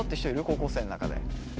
高校生の中で。